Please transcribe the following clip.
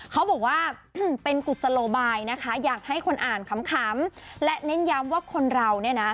เขาบอกว่าเป็นกุศโลบายนะคะอยากให้คนอ่านขำและเน้นย้ำว่าคนเราเนี่ยนะ